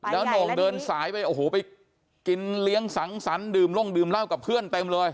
แล้วโหน่งเดินสายไปโอ้โหไปกินเลี้ยงสังสรรค์ดื่มลงดื่มเหล้ากับเพื่อนเต็มเลย